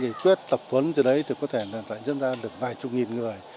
thì quyết tập huấn từ đấy có thể dẫn ra được vài chục nghìn người